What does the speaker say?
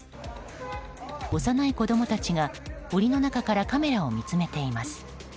幼い子供たちが檻の中からカメラを見つめています。